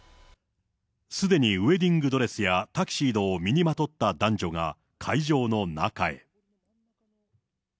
すでにウエディングドレスやタキシードを身にまとった男女が会場の中へ。